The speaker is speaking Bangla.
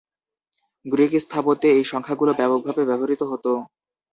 গ্রিক স্থাপত্যে এই সংখ্যাগুলো ব্যাপকভাবে ব্যবহৃত হতো।